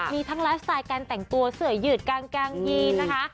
มีทั้งไลฟ์สไตล์การแต่งตัวเสือหยืดกางเกงยีนนะคะ